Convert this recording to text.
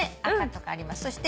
赤とかあります。